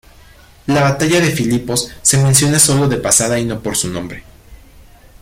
La batalla de Filipos se menciona sólo de pasada y no por su nombre.